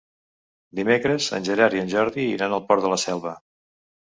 Dimecres en Gerard i en Jordi iran al Port de la Selva.